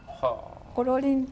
コロリンと。